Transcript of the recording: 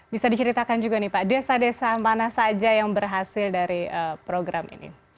bisa diceritakan juga nih pak desa desa mana saja yang berhasil dari program ini